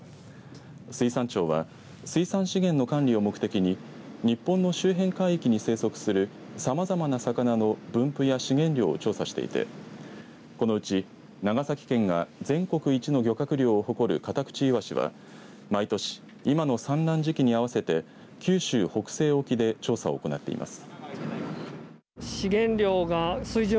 水産庁は水産資源の管理を目的に日本の周辺海域に生息するさまざまな魚の分布や資源量を調査していてこのうち長崎県が全国一の漁獲量を誇るカタクチイワシは毎年今の産卵時期に合わせて九州北西沖で調査を行っています。